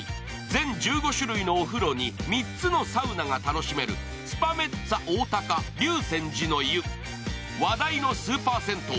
全１５種類のお風呂に３つのサウナが楽しめるスパメッツァおおたか竜泉寺の湯